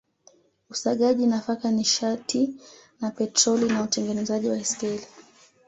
Usagaji nafaka nishati na petroli na utengenezaji baiskeli